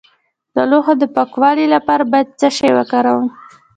د لوښو د پاکوالي لپاره باید څه شی وکاروم؟